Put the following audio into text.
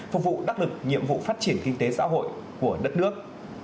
phục vụ đắc lực nhiệm vụ phát triển kinh tế xã hội của đất nước